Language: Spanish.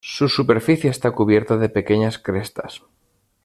Su superficie está cubierta de pequeñas crestas.